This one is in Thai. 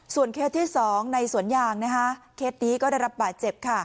ส่วนในสวรรค์อย่างเครดนี้ก็ได้รับปั่นเจ็บ